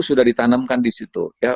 sudah ditanamkan disitu ya